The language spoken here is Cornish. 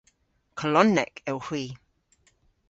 Kolonnek owgh hwi.